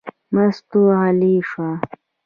مستو غلې شوه.